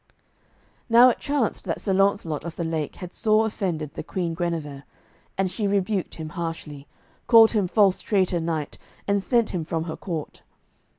Now it chanced that Sir Launcelot of the Lake had sore offended the Queen Guenever, and she rebuked him harshly, called him false traitor knight, and sent him from her court.